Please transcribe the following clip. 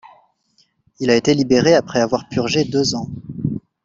Il a été libéré après avoir purgé deux ans.